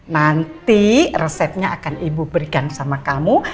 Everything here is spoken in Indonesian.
nanti resepnya akan ibu berikan sama kamu